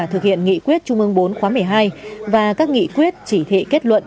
thực hiện nghị quyết trung ương bốn khóa một mươi hai và các nghị quyết chỉ thị kết luận